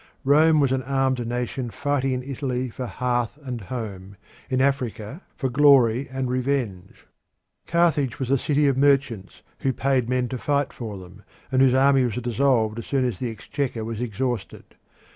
Rome was an armed nation fighting in Italy for hearth and home, in Africa for glory and revenge. Carthage was a city of merchants, who paid men to fight for them, and whose army was dissolved as soon as the exchequer was exhausted.